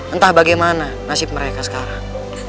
entah bagaimana nasib mereka sekarang